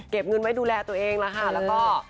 เก็บเงินไว้ดูแลตัวเองละค่ะ